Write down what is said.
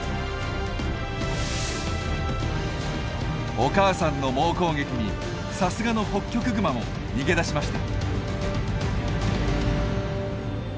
お母さんの猛攻撃にさすがのホッキョクグマも逃げ出しました。